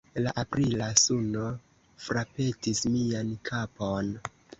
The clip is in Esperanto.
La aprila suno frapetis mian kapon.